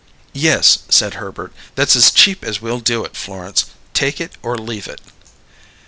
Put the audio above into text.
"Yes," said Herbert. "That's as cheap as we'll do it, Florence. Take it or leave it."